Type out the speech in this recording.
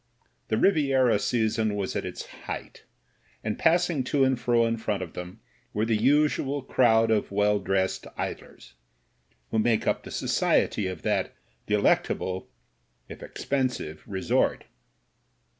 The Ri* viera season was at its height, and passing to and fro in front of them were the usual crowd of well dressed idlers, who make up the society of that delectable, if expensive, resort.